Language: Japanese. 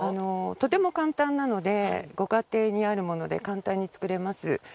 とても簡単なのでご家庭にあるもので簡単に作れます。